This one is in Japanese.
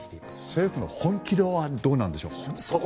政府の本気度はどうなんでしょう。